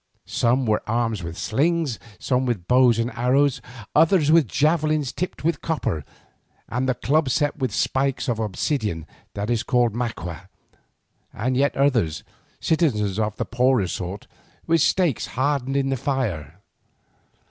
Some were armed with slings, some with bows and arrows, others with javelins tipped with copper, and the club set with spikes of obsidian that is called maqua, and yet others, citizens of the poorer sort, with stakes hardened in the fire.